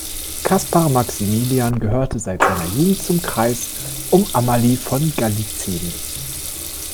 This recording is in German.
Kaspar Maximilian gehörte seit seiner Jugend zum Kreis um Amalie von Gallitzin.